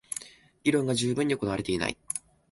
議論が充分に行われていない